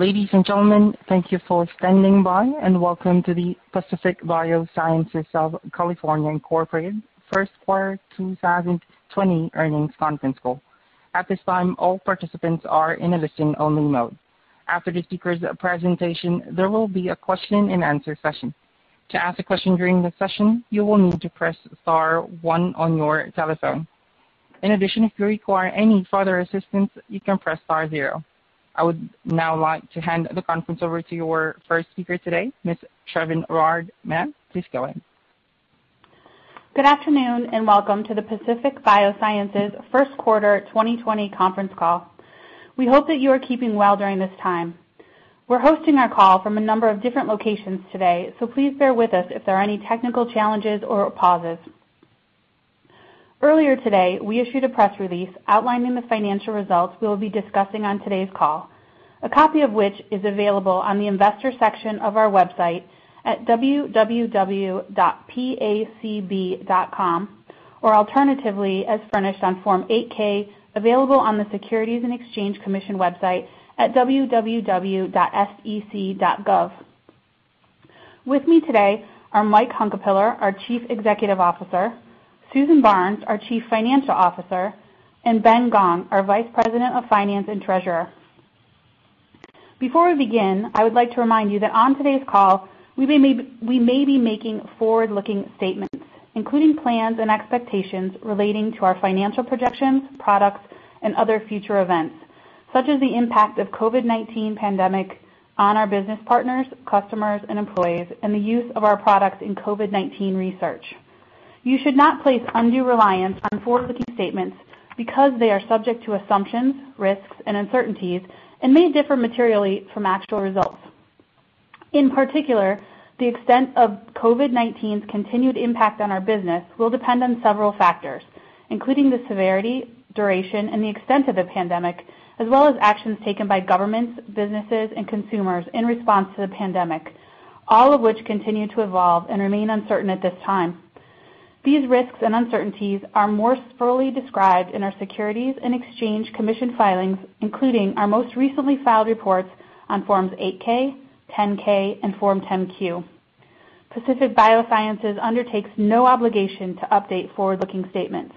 Ladies and gentlemen, thank you for standing by, and welcome to the Pacific Biosciences of California, Inc First Quarter 2020 Earnings Conference Call. At this time, all participants are in a listen-only mode. After the speakers' presentation, there will be a question and answer session. To ask a question during the session, you will need to press star one on your telephone. In addition, if you require any further assistance, you can press star zero. I would now like to hand the conference over to your first speaker today, Ms. Trevin Rard. Ma'am, please go ahead. Good afternoon, welcome to the Pacific Biosciences First Quarter 2020 conference call. We hope that you are keeping well during this time. We're hosting our call from a number of different locations today, so please bear with us if there are any technical challenges or pauses. Earlier today, we issued a press release outlining the financial results we'll be discussing on today's call, a copy of which is available on the investor section of our website at www.pacb.com, or alternatively, as furnished on Form 8-K, available on the Securities and Exchange Commission website at www.sec.gov. With me today are Mike Hunkapiller, our Chief Executive Officer, Susan Barnes, our Chief Financial Officer, and Ben Gong, our Vice President of Finance and Treasurer. Before we begin, I would like to remind you that on today's call, we may be making forward-looking statements, including plans and expectations relating to our financial projections, products, and other future events, such as the impact of COVID-19 pandemic on our business partners, customers, and employees, and the use of our products in COVID-19 research. You should not place undue reliance on forward-looking statements because they are subject to assumptions, risks, and uncertainties, and may differ materially from actual results. In particular, the extent of COVID-19's continued impact on our business will depend on several factors, including the severity, duration, and the extent of the pandemic, as well as actions taken by governments, businesses, and consumers in response to the pandemic, all of which continue to evolve and remain uncertain at this time. These risks and uncertainties are more thoroughly described in our Securities and Exchange Commission filings, including our most recently filed reports on Forms 8-K, 10-K and Form 10-Q. Pacific Biosciences undertakes no obligation to update forward-looking statements.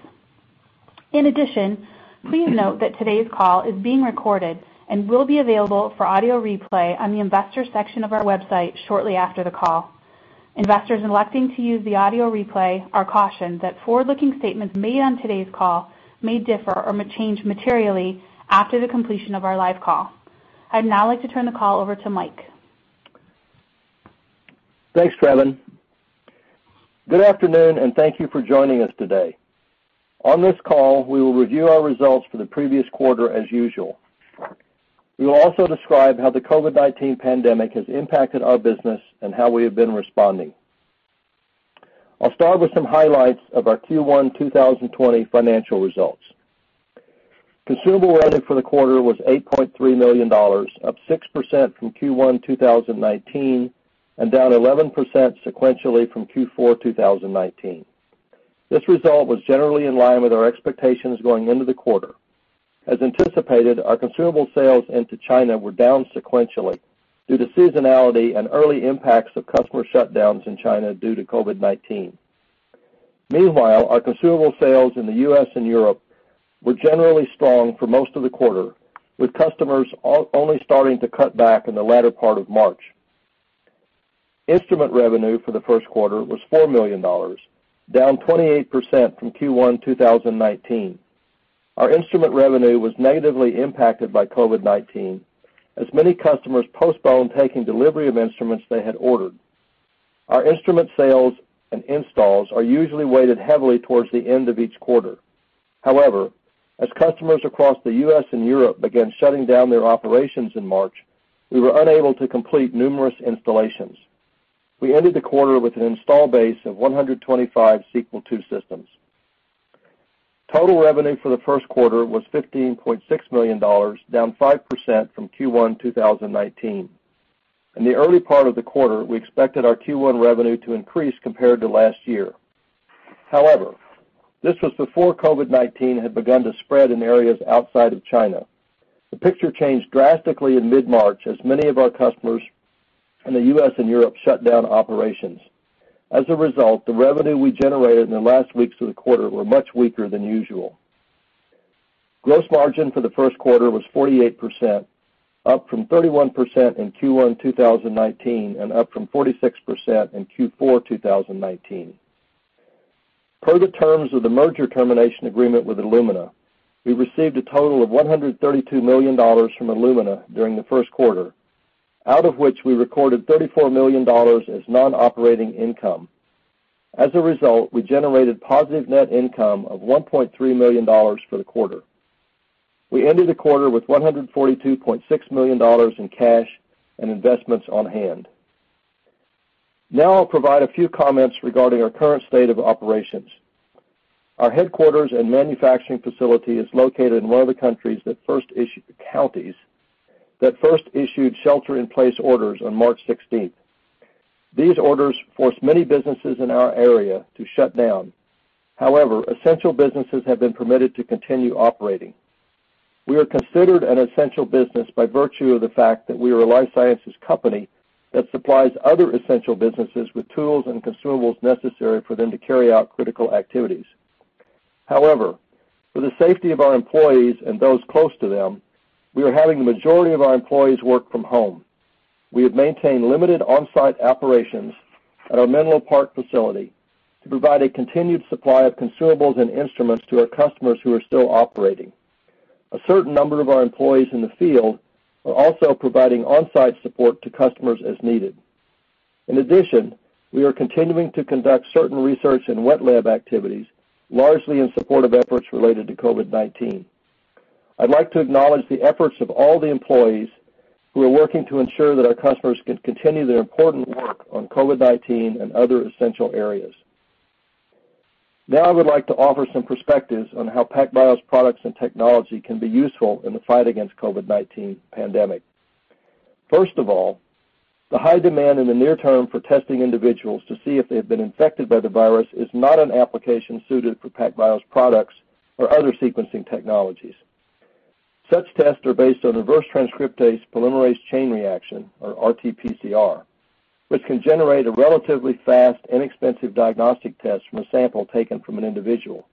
Please note that today's call is being recorded and will be available for audio replay on the investor section of our website shortly after the call. Investors electing to use the audio replay are cautioned that forward-looking statements made on today's call may differ or may change materially after the completion of our live call. I'd now like to turn the call over to Mike. Thanks, Trevin. Good afternoon, and thank you for joining us today. On this call, we will review our results for the previous quarter as usual. We will also describe how the COVID-19 pandemic has impacted our business and how we have been responding. I'll start with some highlights of our Q1 2020 financial results. Consumable revenue for the quarter was $8.3 million, up 6% from Q1 2019, down 11% sequentially from Q4 2019. This result was generally in line with our expectations going into the quarter. As anticipated, our consumable sales into China were down sequentially due to seasonality and early impacts of customer shutdowns in China due to COVID-19. Meanwhile, our consumable sales in the U.S. and Europe were generally strong for most of the quarter, with customers only starting to cut back in the latter part of March. Instrument revenue for the first quarter was $4 million, down 28% from Q1 2019. Our instrument revenue was negatively impacted by COVID-19 as many customers postponed taking delivery of instruments they had ordered. Our instrument sales and installs are usually weighted heavily towards the end of each quarter. However, as customers across the U.S. and Europe began shutting down their operations in March, we were unable to complete numerous installations. We ended the quarter with an install base of 125 Sequel II systems. Total revenue for the first quarter was $15.6 million, down 5% from Q1 2019. In the early part of the quarter, we expected our Q1 revenue to increase compared to last year. However, this was before COVID-19 had begun to spread in areas outside of China. The picture changed drastically in mid-March as many of our customers in the U.S. and Europe shut down operations. As a result, the revenue we generated in the last weeks of the quarter were much weaker than usual. Gross margin for the first quarter was 48%, up from 31% in Q1 2019, and up from 46% in Q4 2019. Per the terms of the merger termination agreement with Illumina, we received a total of $132 million from Illumina during the first quarter, out of which we recorded $34 million as non-operating income. As a result, we generated positive net income of $1.3 million for the quarter. We ended the quarter with $142.6 million in cash and investments on hand. Now I'll provide a few comments regarding our current state of operations. Our headquarters and manufacturing facility is located in one of the counties that first issued shelter in place orders on March 16th. These orders force many businesses in our area to shut down. However, essential businesses have been permitted to continue operating. We are considered an essential business by virtue of the fact that we are a life sciences company that supplies other essential businesses with tools and consumables necessary for them to carry out critical activities. However, for the safety of our employees and those close to them, we are having the majority of our employees work from home. We have maintained limited on-site operations at our Menlo Park facility to provide a continued supply of consumables and instruments to our customers who are still operating. A certain number of our employees in the field are also providing on-site support to customers as needed. In addition, we are continuing to conduct certain research and wet lab activities, largely in support of efforts related to COVID-19. I'd like to acknowledge the efforts of all the employees who are working to ensure that our customers can continue their important work on COVID-19 and other essential areas. Now, I would like to offer some perspectives on how PacBio's products and technology can be useful in the fight against COVID-19 pandemic. First of all, the high demand in the near term for testing individuals to see if they've been infected by the virus is not an application suited for PacBio's products or other sequencing technologies. Such tests are based on reverse transcriptase polymerase chain reaction, or RT-PCR, which can generate a relatively fast, inexpensive diagnostic test from a sample taken from an individual.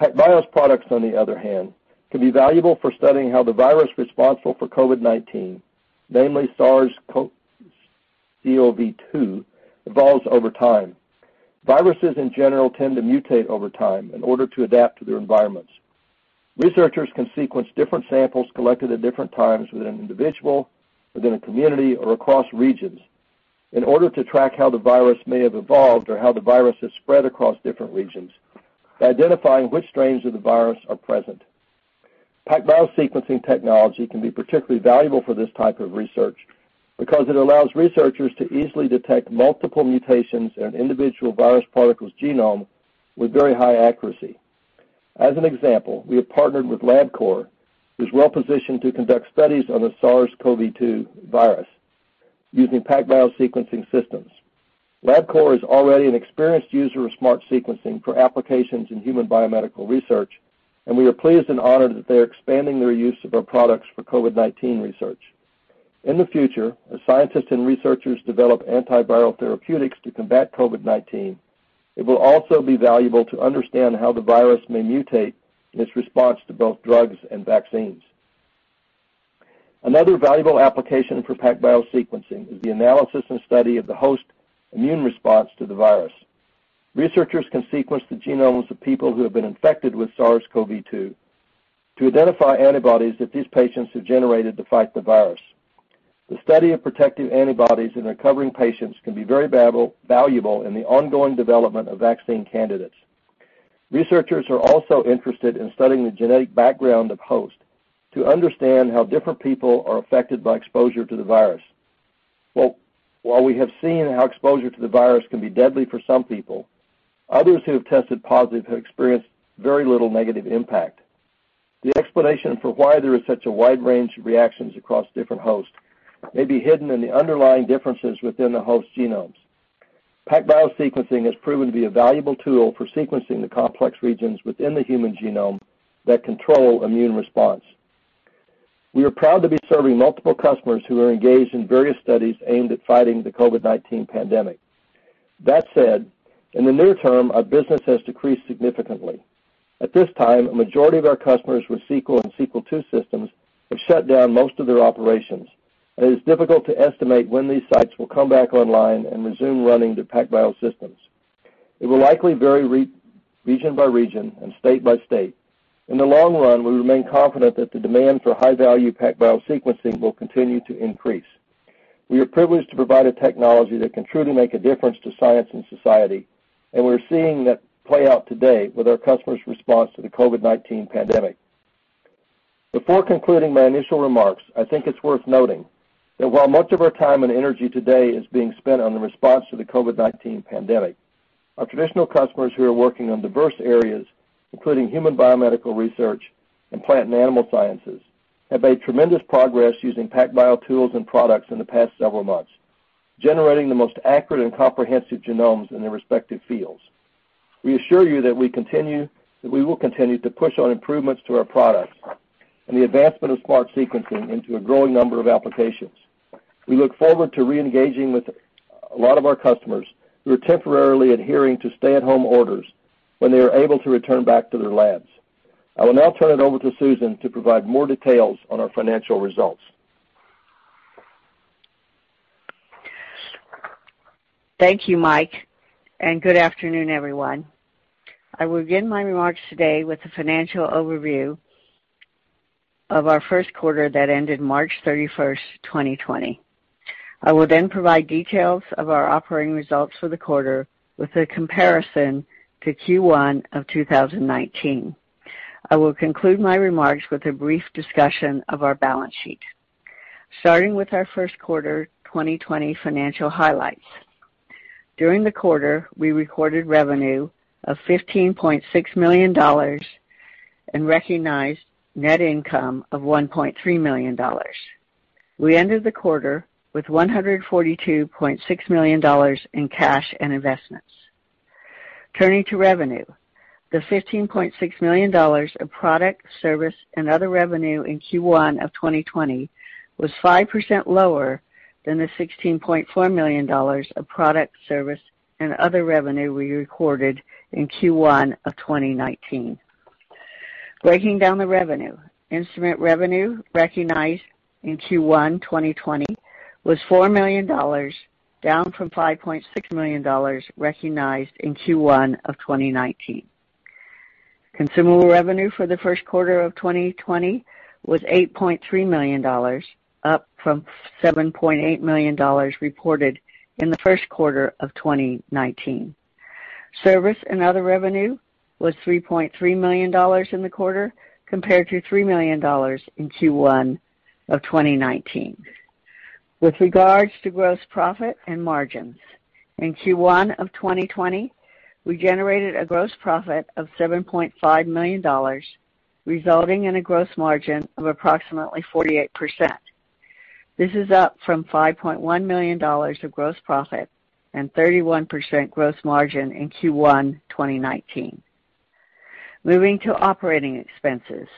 PacBio's products, on the other hand, can be valuable for studying how the virus responsible for COVID-19, namely SARS-CoV-2, evolves over time. Viruses, in general, tend to mutate over time in order to adapt to their environments. Researchers can sequence different samples collected at different times within an individual, within a community, or across regions in order to track how the virus may have evolved or how the virus has spread across different regions by identifying which strains of the virus are present. PacBio sequencing technology can be particularly valuable for this type of research because it allows researchers to easily detect multiple mutations in an individual virus particle's genome with very high accuracy. As an example, we have partnered with LabCorp, who's well-positioned to conduct studies on the SARS-CoV-2 virus using PacBio sequencing systems. LabCorp is already an experienced user of SMRT sequencing for applications in human biomedical research, and we are pleased and honored that they are expanding their use of our products for COVID-19 research. In the future, as scientists and researchers develop antiviral therapeutics to combat COVID-19, it will also be valuable to understand how the virus may mutate in its response to both drugs and vaccines. Another valuable application for PacBio sequencing is the analysis and study of the host immune response to the virus. Researchers can sequence the genomes of people who have been infected with SARS-CoV-2 to identify antibodies that these patients have generated to fight the virus. The study of protective antibodies in recovering patients can be very valuable in the ongoing development of vaccine candidates. Researchers are also interested in studying the genetic background of hosts to understand how different people are affected by exposure to the virus. While we have seen how exposure to the virus can be deadly for some people, others who have tested positive have experienced very little negative impact. The explanation for why there is such a wide range of reactions across different hosts may be hidden in the underlying differences within the host's genomes. PacBio sequencing has proven to be a valuable tool for sequencing the complex regions within the human genome that control immune response. We are proud to be serving multiple customers who are engaged in various studies aimed at fighting the COVID-19 pandemic. That said, in the near term, our business has decreased significantly. At this time, a majority of our customers with Sequel and Sequel II systems have shut down most of their operations, and it is difficult to estimate when these sites will come back online and resume running the PacBio systems. It will likely vary region by region and state by state. In the long run, we remain confident that the demand for high-value PacBio sequencing will continue to increase. We are privileged to provide a technology that can truly make a difference to science and society, and we're seeing that play out today with our customers' response to the COVID-19 pandemic. Before concluding my initial remarks, I think it's worth noting that while much of our time and energy today is being spent on the response to the COVID-19 pandemic, our traditional customers who are working on diverse areas, including human biomedical research and plant and animal sciences, have made tremendous progress using PacBio tools and products in the past several months, generating the most accurate and comprehensive genomes in their respective fields. We assure you that we will continue to push on improvements to our products and the advancement of SMRT sequencing into a growing number of applications. We look forward to re-engaging with a lot of our customers who are temporarily adhering to stay-at-home orders when they are able to return back to their labs. I will now turn it over to Susan to provide more details on our financial results. Thank you, Mike. Good afternoon, everyone. I will begin my remarks today with a financial overview of our first quarter that ended March 31st, 2020. I will provide details of our operating results for the quarter with a comparison to Q1 of 2019. I will conclude my remarks with a brief discussion of our balance sheet. Starting with our first quarter 2020 financial highlights. During the quarter, we recorded revenue of $15.6 million and recognized net income of $1.3 million. We ended the quarter with $142.6 million in cash and investments. Turning to revenue, the $15.6 million of product, service, and other revenue in Q1 of 2020 was 5% lower than the $16.4 million of product, service, and other revenue we recorded in Q1 of 2019. Breaking down the revenue, instrument revenue recognized in Q1 2020 was $4 million, down from $5.6 million recognized in Q1 of 2019. Consumable revenue for the first quarter of 2020 was $8.3 million, up from $7.8 million reported in the first quarter of 2019. Service and other revenue was $3.3 million in the quarter, compared to $3 million in Q1 of 2019. With regards to gross profit and margins, in Q1 of 2020, we generated a gross profit of $7.5 million, resulting in a gross margin of approximately 48%. This is up from $5.1 million of gross profit and 31% gross margin in Q1 2019. Moving to operating expenses.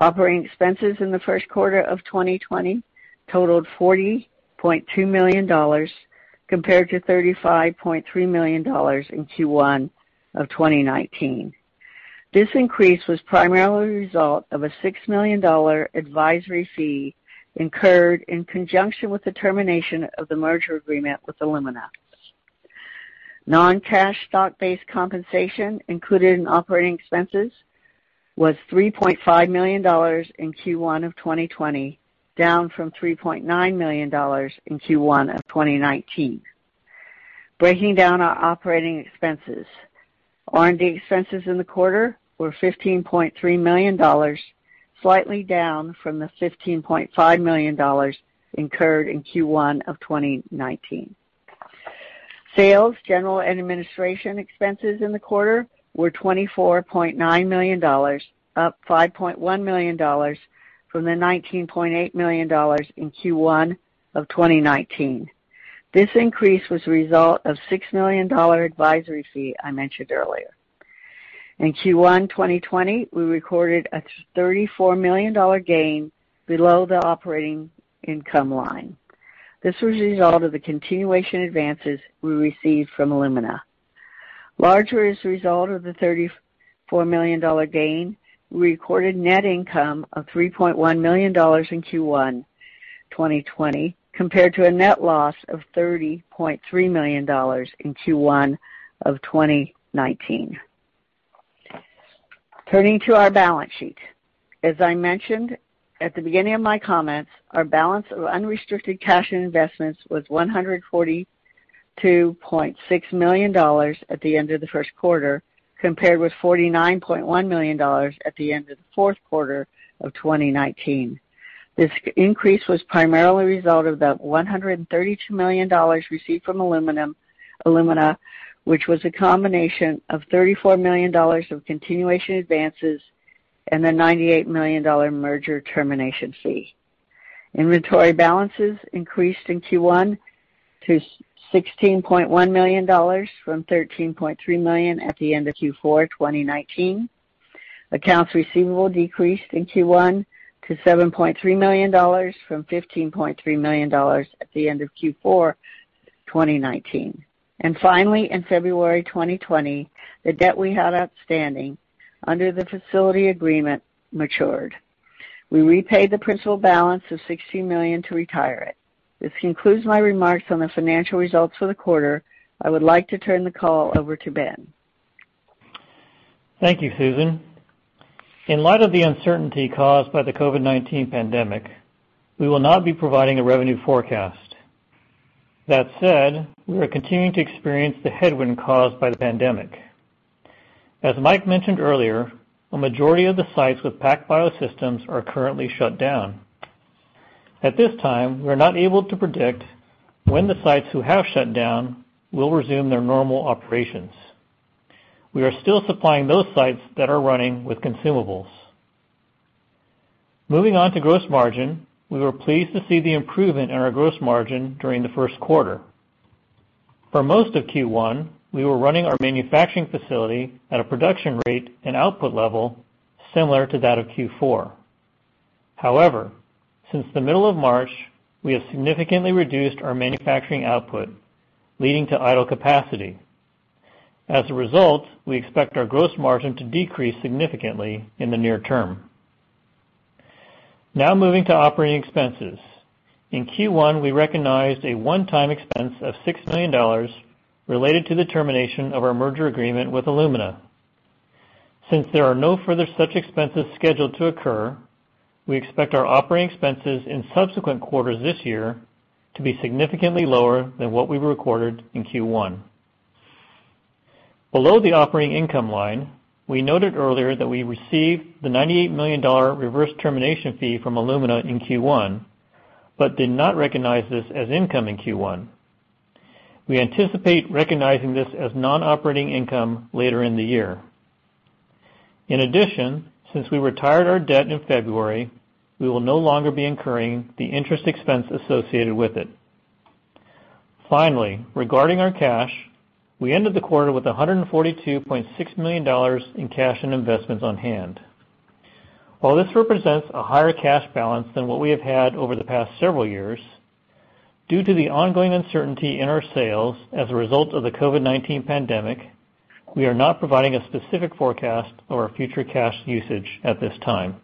Operating expenses in the first quarter of 2020 totaled $40.2 million compared to $35.3 million in Q1 of 2019. This increase was primarily a result of a $6 million advisory fee incurred in conjunction with the termination of the merger agreement with Illumina. Non-cash stock-based compensation included in operating expenses was $3.5 million in Q1 of 2020, down from $3.9 million in Q1 of 2019. Breaking down our operating expenses, R&D expenses in the quarter were $15.3 million, slightly down from the $15.5 million incurred in Q1 of 2019. Sales, general, and administration expenses in the quarter were $24.9 million, up $5.1 million from the $19.8 million in Q1 of 2019. This increase was a result of a $6 million advisory fee I mentioned earlier. In Q1 2020, we recorded a $34 million gain below the operating income line. This was a result of the continuation advances we received from Illumina. Larger as a result of the $34 million gain, we recorded net income of $3.1 million in Q1 2020 compared to a net loss of $30.3 million in Q1 of 2019. Turning to our balance sheet. As I mentioned at the beginning of my comments, our balance of unrestricted cash and investments was $142.6 million at the end of the first quarter, compared with $49.1 million at the end of the fourth quarter of 2019. This increase was primarily a result of the $132 million received from Illumina, which was a combination of $34 million of continuation advances and a $98 million merger termination fee. Inventory balances increased in Q1 to $16.1 million from $13.3 million at the end of Q4 2019. Accounts receivable decreased in Q1 to $7.3 million from $15.3 million at the end of Q4 2019. Finally, in February 2020, the debt we had outstanding under the facility agreement matured. We repaid the principal balance of $60 million to retire it. This concludes my remarks on the financial results for the quarter. I would like to turn the call over to Ben. Thank you, Susan. In light of the uncertainty caused by the COVID-19 pandemic, we will not be providing a revenue forecast. That said, we are continuing to experience the headwind caused by the pandemic. As Mike mentioned earlier, a majority of the sites with PacBio systems are currently shut down. At this time, we're not able to predict when the sites who have shut down will resume their normal operations. We are still supplying those sites that are running with consumables. Moving on to gross margin. We were pleased to see the improvement in our gross margin during the first quarter. For most of Q1, we were running our manufacturing facility at a production rate and output level similar to that of Q4. However, since the middle of March, we have significantly reduced our manufacturing output, leading to idle capacity. Moving to operating expenses. In Q1, we recognized a one-time expense of $6 million related to the termination of our merger agreement with Illumina. There are no further such expenses scheduled to occur, we expect our operating expenses in subsequent quarters this year to be significantly lower than what we recorded in Q1. Below the operating income line, we noted earlier that we received the $98 million reverse termination fee from Illumina in Q1, but did not recognize this as income in Q1. We anticipate recognizing this as non-operating income later in the year. Since we retired our debt in February, we will no longer be incurring the interest expense associated with it. Regarding our cash, we ended the quarter with $142.6 million in cash and investments on hand. While this represents a higher cash balance than what we have had over the past several years, due to the ongoing uncertainty in our sales as a result of the COVID-19 pandemic, we are not providing a specific forecast of our future cash usage at this time.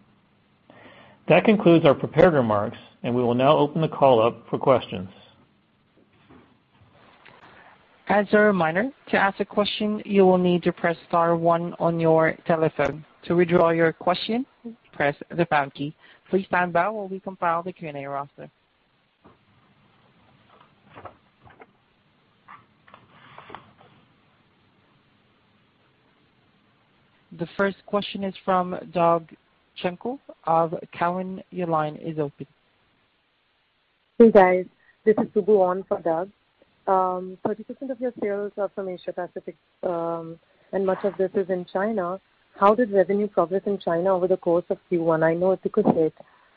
That concludes our prepared remarks, and we will now open the call up for questions. As a reminder, to ask a question, you will need to press star one on your telephone. To withdraw your question, press the pound key. Please stand by while we compile the Q&A roster. The first question is from Doug Schenkel of Cowen. Your line is open. Hey, guys. This is Subbu on for Doug. 30% of your sales are from Asia Pacific, and much of this is in China. How did revenue progress in China over the course of Q1? I know it took a hit,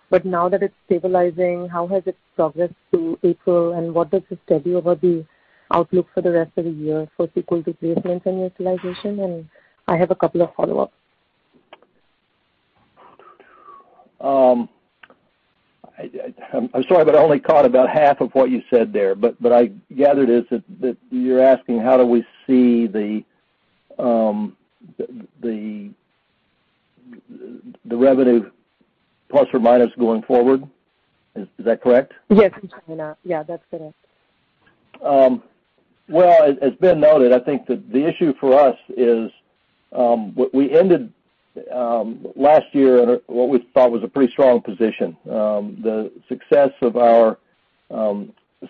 but now that it's stabilizing, how has it progressed through April, and what does this tell you about the outlook for the rest of the year for Sequel II placements and utilization? I have a couple of follow-ups. I'm sorry, but I only caught about half of what you said there. I gathered is that you're asking how do we see the revenue, plus or minus, going forward. Is that correct? Yes, in China. Yeah, that's correct. Well, as Ben noted, I think that the issue for us is we ended last year in what we thought was a pretty strong position. The success of our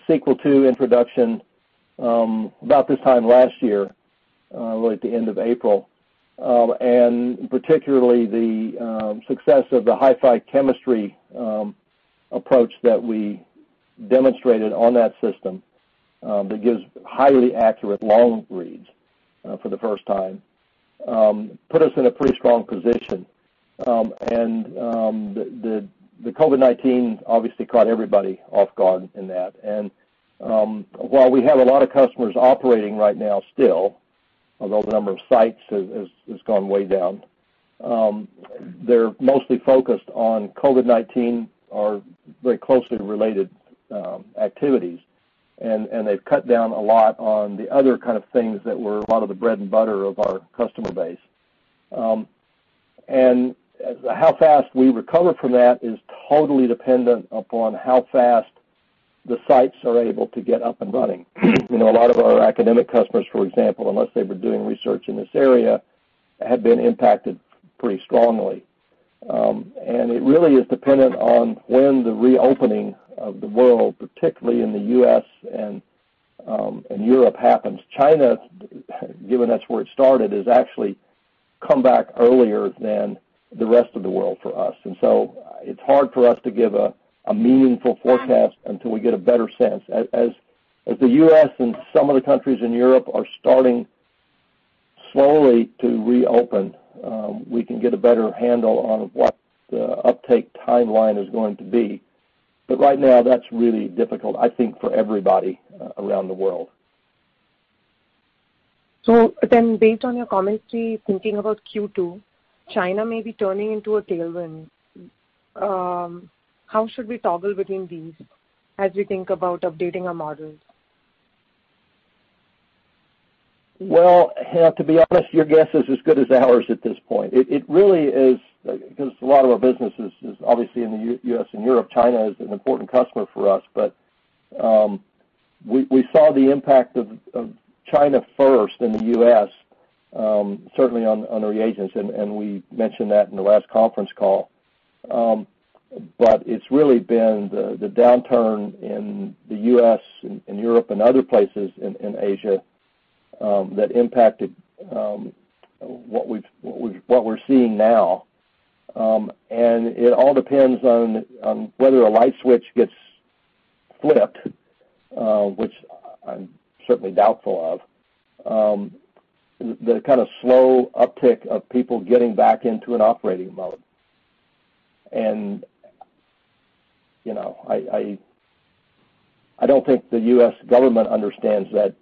Sequel II introduction about this time last year, really at the end of April, and particularly the success of the HiFi chemistry approach that we demonstrated on that system that gives highly accurate long reads for the first time, put us in a pretty strong position. The COVID-19 obviously caught everybody off guard in that. While we have a lot of customers operating right now still, although the number of sites has gone way down, they're mostly focused on COVID-19 or very closely related activities, and they've cut down a lot on the other kind of things that were a lot of the bread and butter of our customer base. How fast we recover from that is totally dependent upon how fast the sites are able to get up and running. A lot of our academic customers, for example, unless they were doing research in this area, have been impacted pretty strongly. It really is dependent on when the reopening of the world, particularly in the U.S. and Europe, happens. China, given that's where it started, has actually come back earlier than the rest of the world for us. It's hard for us to give a meaningful forecast until we get a better sense. As the U.S. and some of the countries in Europe are starting slowly to reopen, we can get a better handle on what the uptake timeline is going to be. Right now, that's really difficult, I think, for everybody around the world. Based on your commentary, thinking about Q2, China may be turning into a tailwind. How should we toggle between these as we think about updating our models? To be honest, your guess is as good as ours at this point. A lot of our business is obviously in the U.S. and Europe, China is an important customer for us, we saw the impact of China first, then the U.S., certainly on our reagents, and we mentioned that in the last conference call. It's really been the downturn in the U.S. and Europe and other places in Asia that impacted what we're seeing now. It all depends on whether a light switch gets flipped, which I'm certainly doubtful of, the kind of slow uptick of people getting back into an operating mode. I don't think the U.S. government understands that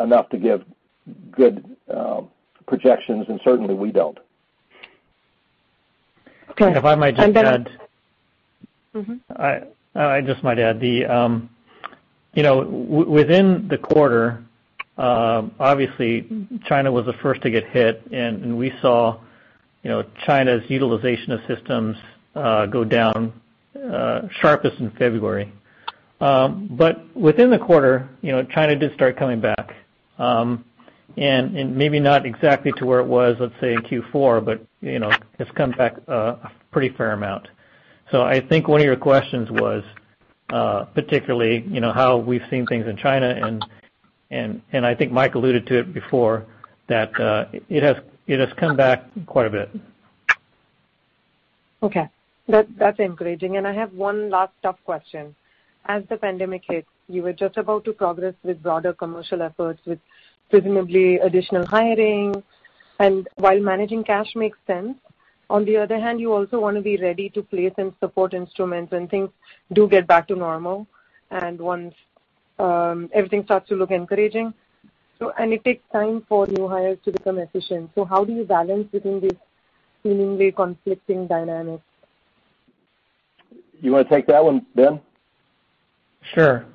enough to give good projections, and certainly we don't. Okay. Ben. I just might add, within the quarter, obviously China was the first to get hit, and we saw China's utilization of systems go down sharpest in February. Within the quarter, China did start coming back. Maybe not exactly to where it was, let's say, in Q4, but it's come back a pretty fair amount. I think one of your questions was particularly how we've seen things in China, and I think Mike alluded to it before, that it has come back quite a bit. Okay. That's encouraging. I have one last tough question. As the pandemic hit, you were just about to progress with broader commercial efforts, with presumably additional hiring. While managing cash makes sense, on the other hand, you also want to be ready to place and support instruments when things do get back to normal and once everything starts to look encouraging. It takes time for new hires to become efficient. How do you balance between these seemingly conflicting dynamics? You want to take that one, Ben? Sure.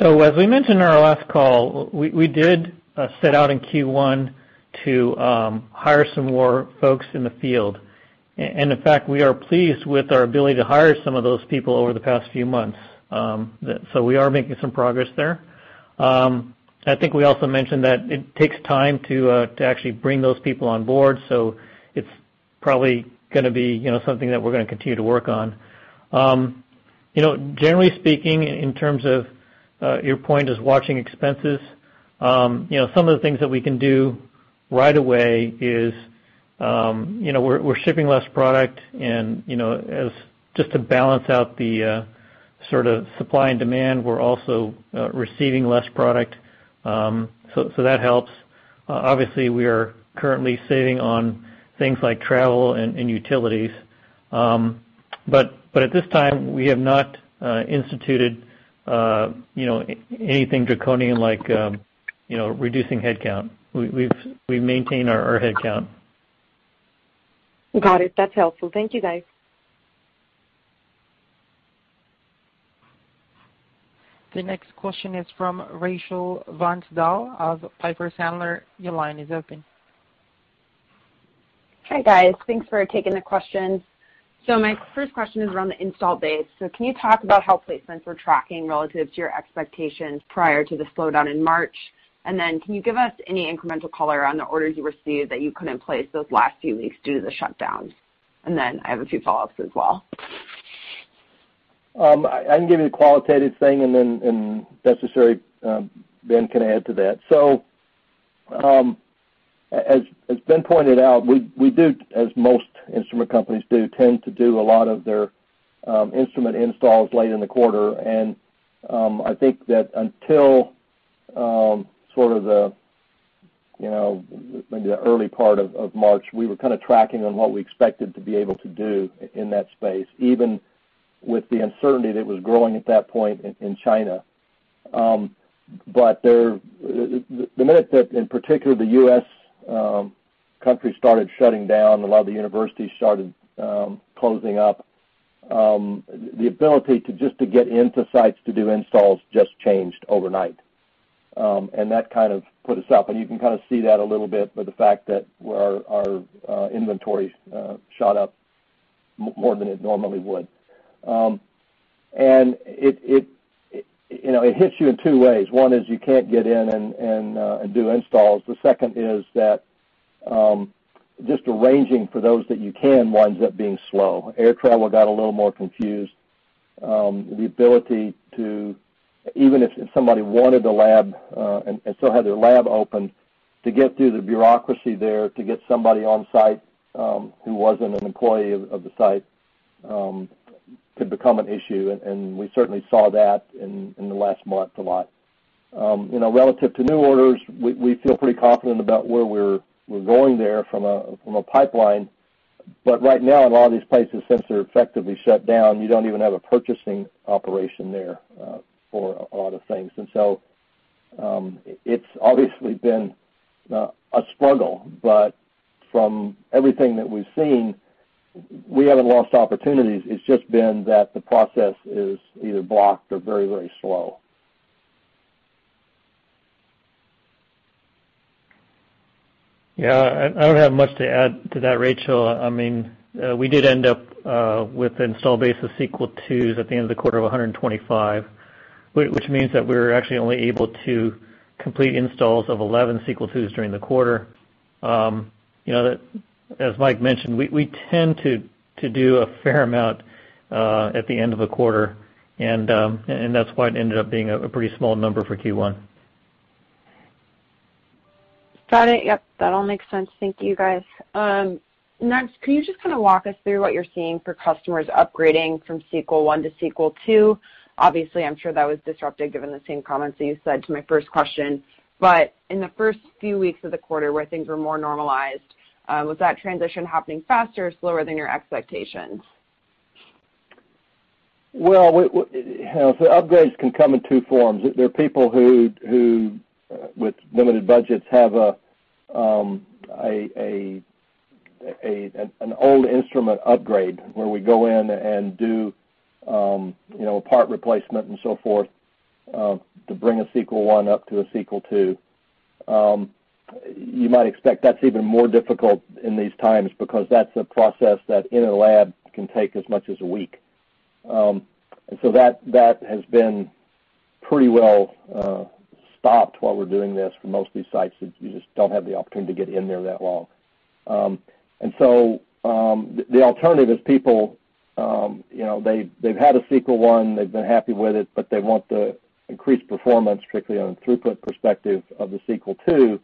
As we mentioned in our last call, we did set out in Q1 to hire some more folks in the field. In fact, we are pleased with our ability to hire some of those people over the past few months. We are making some progress there. We also mentioned that it takes time to actually bring those people on board, it's probably going to be something that we're going to continue to work on. Generally speaking, in terms of your point is watching expenses, some of the things that we can do right away is, we're shipping less product, as just to balance out the sort of supply and demand, we're also receiving less product. That helps. Obviously, we are currently saving on things like travel and utilities. At this time, we have not instituted anything draconian like reducing headcount. We've maintained our headcount. Got it. That's helpful. Thank you, guys. The next question is from Rachel Vatnsdal of Piper Sandler. Your line is open. Hi, guys. Thanks for taking the questions. My first question is around the install base. Can you talk about how placements are tracking relative to your expectations prior to the slowdown in March? Can you give us any incremental color on the orders you received that you couldn't place those last few weeks due to the shutdowns? I have a few follow-ups as well. I can give you the qualitative thing, then, if necessary, Ben can add to that. As Ben pointed out, we do, as most instrument companies do, tend to do a lot of their instrument installs late in the quarter. I think that until sort of the early part of March, we were kind of tracking on what we expected to be able to do in that space, even with the uncertainty that was growing at that point in China. The minute that, in particular, the U.S. countries started shutting down, a lot of the universities started closing up, the ability just to get into sites to do installs just changed overnight. That kind of put us up. You can kind of see that a little bit by the fact that our inventory shot up more than it normally would. It hits you in two ways. One is you can't get in and do installs. The second is that just arranging for those that you can winds up being slow. Air travel got a little more confused. The ability to, even if somebody wanted a lab, and still had their lab open, to get through the bureaucracy there to get somebody on site who wasn't an employee of the site could become an issue, and we certainly saw that in the last month a lot. Relative to new orders, we feel pretty confident about where we're going there from a pipeline. Right now, in a lot of these places, since they're effectively shut down, you don't even have a purchasing operation there for a lot of things. It's obviously been a struggle, but from everything that we've seen, we haven't lost opportunities. It's just been that the process is either blocked or very, very slow. Yeah, I don't have much to add to that, Rachel. We did end up with install base of Sequel IIs at the end of the quarter of 125, which means that we were actually only able to complete installs of 11 Sequel IIs during the quarter. As Mike mentioned, we tend to do a fair amount at the end of a quarter, and that's why it ended up being a pretty small number for Q1. Got it. Yep, that all makes sense. Thank you, guys. Next, can you just kind of walk us through what you're seeing for customers upgrading from Sequel I to Sequel II? Obviously, I'm sure that was disrupted given the same comments that you said to my first question. In the first few weeks of the quarter where things were more normalized, was that transition happening faster or slower than your expectations? Well, upgrades can come in two forms. There are people who, with limited budgets, have an old instrument upgrade where we go in and do a part replacement and so forth to bring a Sequel I up to a Sequel II. You might expect that's even more difficult in these times because that's a process that in a lab can take as much as a week. That has been pretty well stopped while we're doing this for most of these sites. You just don't have the opportunity to get in there that well. The alternative is people, they've had a Sequel I, they've been happy with it, but they want the increased performance strictly on throughput perspective of the Sequel II,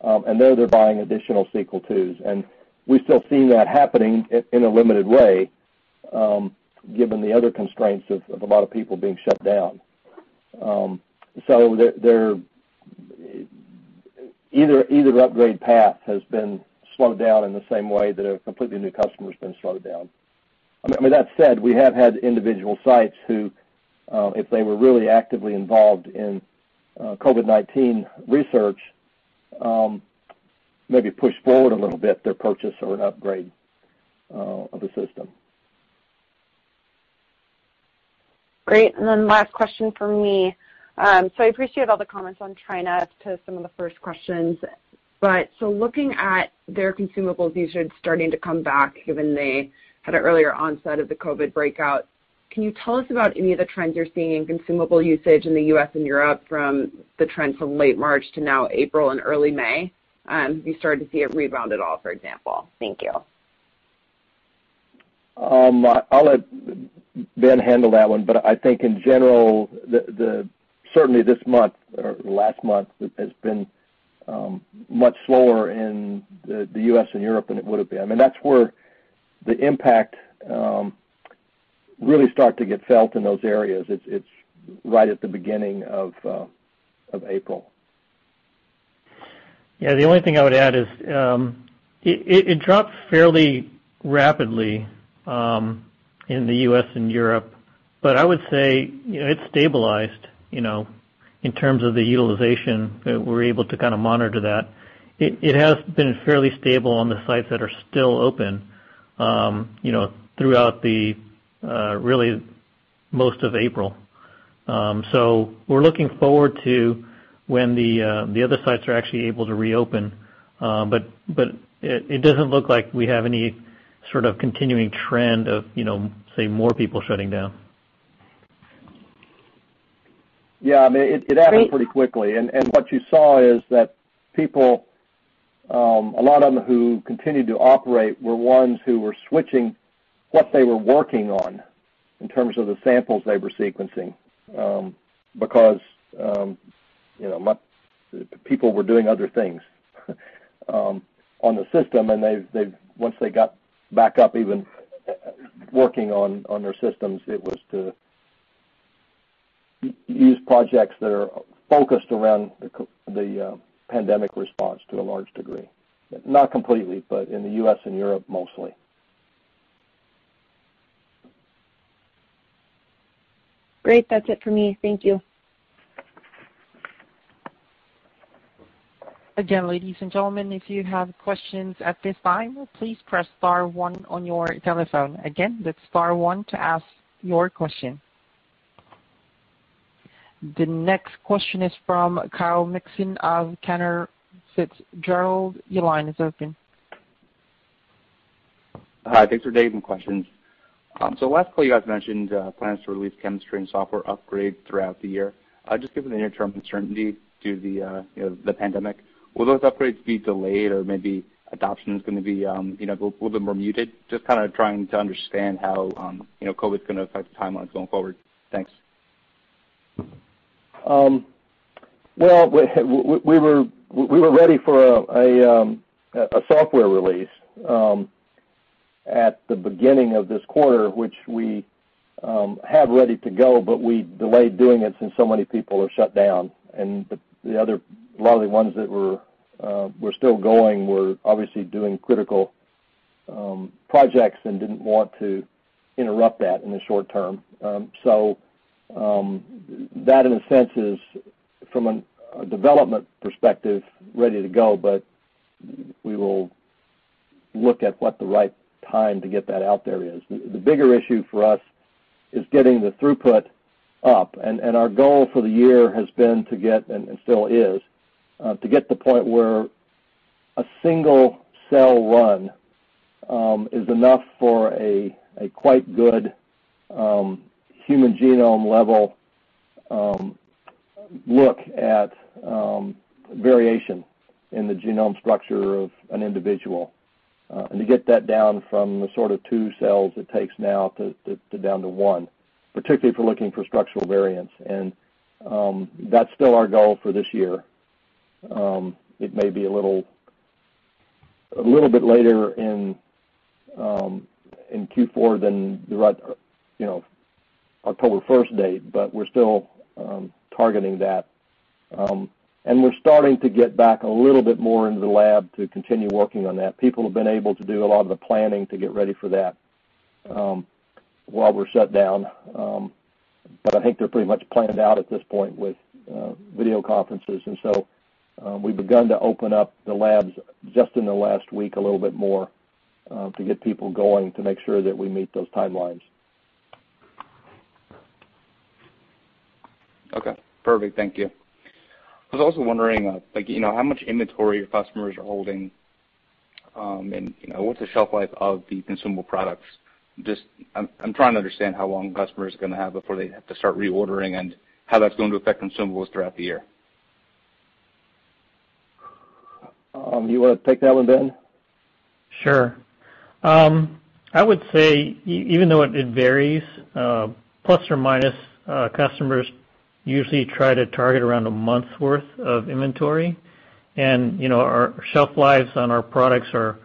and there they're buying additional Sequel IIs. We still see that happening in a limited way, given the other constraints of a lot of people being shut down. Either the upgrade path has been slowed down in the same way that a completely new customer's been slowed down. That said, we have had individual sites who, if they were really actively involved in COVID-19 research, maybe pushed forward a little bit their purchase or an upgrade of the system. Great. Last question from me. I appreciate all the comments on China to some of the first questions. Looking at their consumables usage starting to come back, given they had an earlier onset of the COVID-19 breakout, can you tell us about any of the trends you're seeing in consumable usage in the U.S. and Europe from the trend from late March to now April and early May? Have you started to see it rebound at all, for example? Thank you. I'll let Ben handle that one, but I think in general, certainly this month or last month has been much slower in the U.S. and Europe than it would've been. That's where the impact really started to get felt in those areas. It's right at the beginning of April. The only thing I would add is it dropped fairly rapidly in the U.S. and Europe, but I would say it's stabilized in terms of the utilization that we're able to kind of monitor that. It has been fairly stable on the sites that are still open throughout really most of April. We're looking forward to when the other sites are actually able to reopen, but it doesn't look like we have any sort of continuing trend of say more people shutting down. Yeah. It happened pretty quickly, and what you saw is that people, a lot of them who continued to operate were ones who were switching what they were working on in terms of the samples they were sequencing because people were doing other things on the system and once they got back up even working on their systems, it was to use projects that are focused around the pandemic response to a large degree. Not completely, in the U.S. and Europe mostly. Great. That's it for me. Thank you. Again, ladies and gentlemen, if you have questions at this time, please press star one on your telephone. Again, that's star one to ask your question. The next question is from Kyle Mikson of Cantor Fitzgerald. Your line is open. Hi, thanks for taking the question. Lastly, you guys mentioned plans to release chemistry and software upgrade throughout the year. Just given the near-term uncertainty due to the pandemic, will those upgrades be delayed or maybe adoption is going to be a little bit more muted? Just kind of trying to understand how COVID's going to affect the timeline going forward. Thanks. We were ready for a software release at the beginning of this quarter, which we had ready to go, but we delayed doing it since so many people are shut down, and a lot of the ones that were still going were obviously doing critical projects and did not want to interrupt that in the short term. That in a sense is from a development perspective ready to go, but we will look at what the right time to get that out there is. The bigger issue for us is getting the throughput up, and our goal for the year has been to get, and still is, to get to the point where a single cell run is enough for a quite good human genome level look at variation in the genome structure of an individual. To get that down from the sort of two cells it takes now to down to one, particularly for looking for structural variants, and that's still our goal for this year. It may be a little bit later in Q4 than the October 1st date, but we're still targeting that. We're starting to get back a little bit more into the lab to continue working on that. People have been able to do a lot of the planning to get ready for that while we're shut down, but I think they're pretty much planned out at this point with video conferences. We've begun to open up the labs just in the last week a little bit more, to get people going to make sure that we meet those timelines. Okay, perfect. Thank you. I was also wondering how much inventory your customers are holding. What's the shelf life of the consumable products? I'm trying to understand how long customers are going to have before they have to start reordering, and how that's going to affect consumables throughout the year. You want to take that one, Ben? Sure. I would say, even though it varies, plus or minus, customers usually try to target around a month's worth of inventory. Our shelf lives on our products are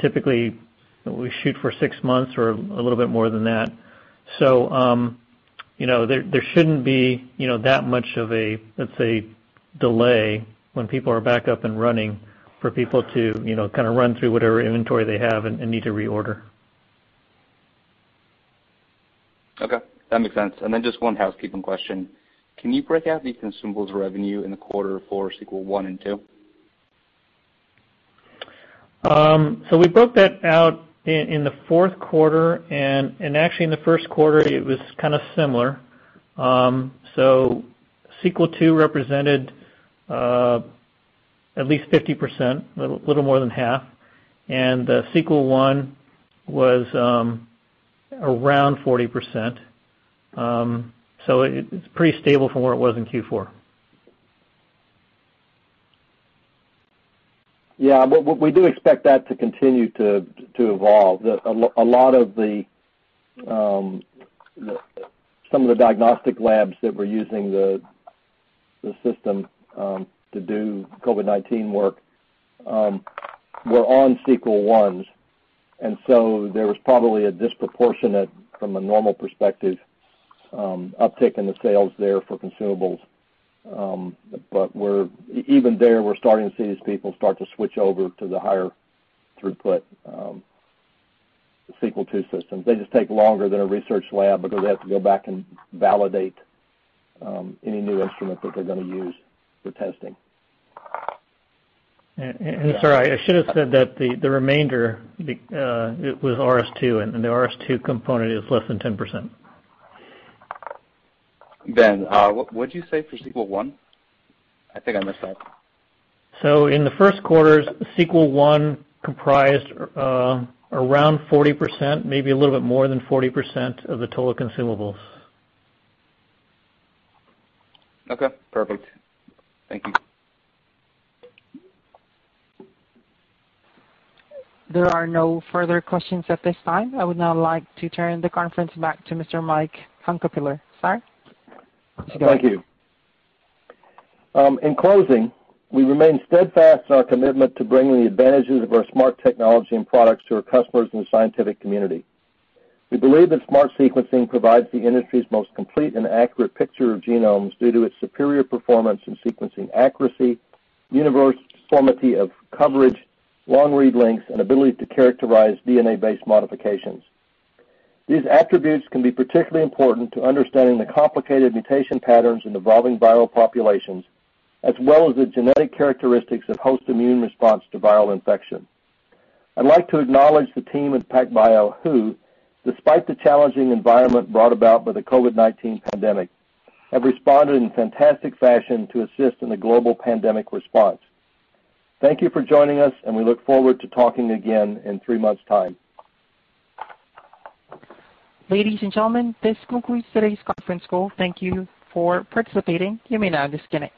typically, we shoot for six months or a little bit more than that. There shouldn't be that much of a, let's say, delay when people are back up and running for people to run through whatever inventory they have and need to reorder. Okay, that makes sense. Just one housekeeping question. Can you break out the consumables revenue in the quarter for Sequel I and II? We broke that out in the fourth quarter, and actually, in the first quarter, it was kind of similar. Sequel II represented at least 50%, a little more than half, and Sequel I was around 40%. It's pretty stable from where it was in Q4. We do expect that to continue to evolve. Some of the diagnostic labs that were using the system to do COVID-19 work were on Sequel I, there was probably a disproportionate, from a normal perspective, uptick in the sales there for consumables. Even there, we're starting to see these people start to switch over to the higher throughput Sequel II systems. They just take longer than a research lab because they have to go back and validate any new instrument that they're going to use for testing. Sorry, I should have said that the remainder, it was RS II, and the RS II component is less than 10%. Ben, what'd you say for Sequel I? I think I missed that. In the first quarters, Sequel I comprised around 40%, maybe a little bit more than 40% of the total consumables. Okay, perfect. Thank you. There are no further questions at this time. I would now like to turn the conference back to Mr. Mike Hunkapiller. Sir. Thank you. In closing, we remain steadfast in our commitment to bringing the advantages of our SMRT technology and products to our customers in the scientific community. We believe that SMRT sequencing provides the industry's most complete and accurate picture of genomes due to its superior performance in sequencing accuracy, uniformity of coverage, long read lengths, and ability to characterize DNA-based modifications. These attributes can be particularly important to understanding the complicated mutation patterns in evolving viral populations, as well as the genetic characteristics of host immune response to viral infection. I'd like to acknowledge the team at PacBio who, despite the challenging environment brought about by the COVID-19 pandemic, have responded in fantastic fashion to assist in the global pandemic response. Thank you for joining us, we look forward to talking again in three months' time. Ladies and gentlemen, this concludes today's conference call. Thank you for participating. You may now disconnect.